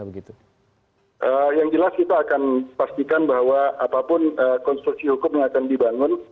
yang jelas kita akan pastikan bahwa apapun konstruksi hukum yang akan dibangun